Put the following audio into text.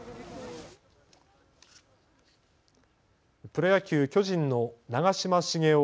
プロ野球、巨人の長嶋茂雄